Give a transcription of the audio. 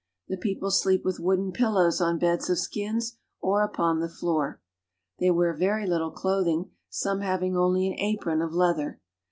The people sleep with wooden pillows on beds of skins or upon the floor. They wear very little clothing, some having only an apron of leather.